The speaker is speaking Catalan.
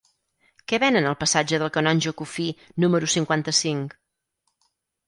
Què venen al passatge del Canonge Cuffí número cinquanta-cinc?